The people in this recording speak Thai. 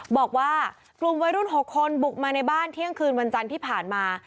บอกว่ากลุ่มวัยรุ่น๖คนบุกมาในบ้านเที่ยงคืนวันจันทร์ที่ผ่านมา